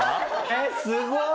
えっすごい！